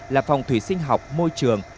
là phòng thủy sinh học môi trường